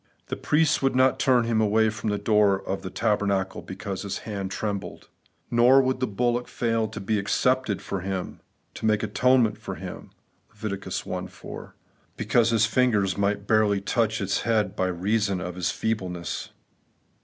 The priest would not turn him away from the door of the tabernacle because his hand trembled ; nor would the bullock fail to be ' accepted for him, to make atonement for him ' (Lev. i. 4), be cause his fingers might barely touch its head by reason of his feebleness.